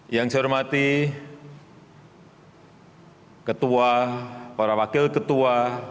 yang saya hormati ketua para wakil ketua